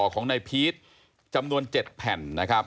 ของในพีทจำนวน๗แผ่น